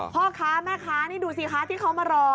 พ่อค้าแม่ค้านี่ดูสิคะที่เขามารอ